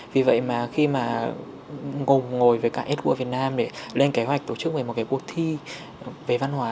vì vậy mà khi mà ngồi với cả sqa việt nam để lên kế hoạch tổ chức một cuộc thi về văn hóa